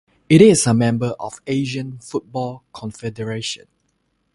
It is a member of the Asian Football Confederation.